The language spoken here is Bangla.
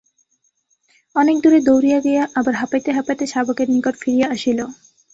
অনেক দূরে দৌড়িয়া গিয়া আবার হাঁপাইতে হাঁপাইতে শাবকের নিকট ফিরিয়া আসিল।